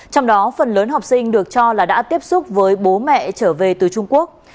trong đó phần lớn học sinh được cho là đã tiếp xúc với bố mẹ trở về từ trung quốc